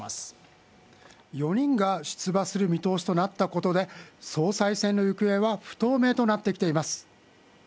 ４人が出馬する見通しとなったことで総裁選の行方は不透明となってきています。